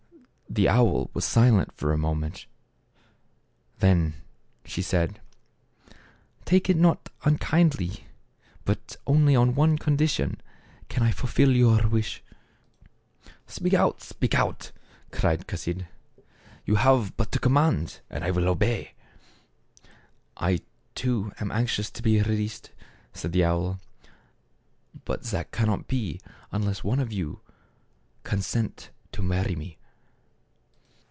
The owl was silent for a moment. Then she said, " Take it not unkindly ; but only on one condition can I fulfill your wish." " Speak out ! speak out !" cried Chasid. " You have but to command, and I will obey." "I too am anxious to be released," said the owl ;" but that cannot be unless one of you will consent to marry me."